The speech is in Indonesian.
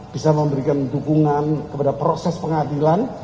bisa memberikan dukungan kepada proses pengadilan